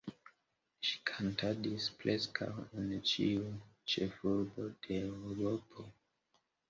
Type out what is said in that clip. Ŝi kantadis preskaŭ en ĉiuj ĉefurboj de Eŭropo.